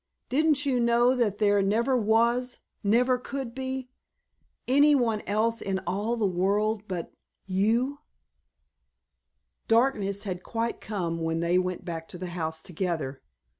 Didn't you know that there never was—never could be—any one else in all the world but you?" Darkness had quite come when they went back to the house together.